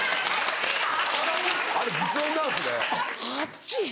あれ実音なんですね。